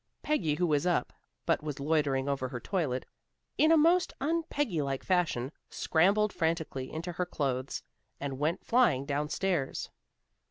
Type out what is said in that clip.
Peggy who was up, but was loitering over her toilet, in a most un Peggy like fashion, scrambled frantically into her clothes and went flying down stairs.